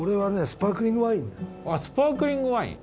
スパークリングワイン！